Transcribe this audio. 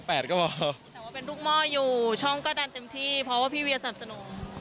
แต่ว่าเป็นลูกหม้ออยู่ช่องก็ดันเต็มที่เพราะว่าพี่เวียสนับสนุน